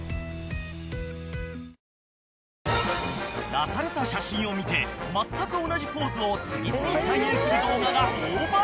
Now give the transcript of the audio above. ［出された写真を見てまったく同じポーズを次々再現する動画が大バズり］